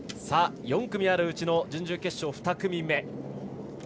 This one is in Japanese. ４組あるうちの準々決勝、２組目。